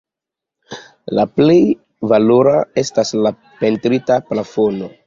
La plej valora estas la pentrita plafono.